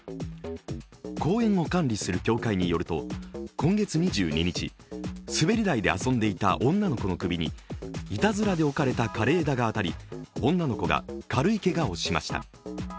公園を管理する協会によると、今月２２日、滑り台で遊んでいた女の子の首にいたずらで置かれた枯れ枝が当たり女の子が軽いけがをしました。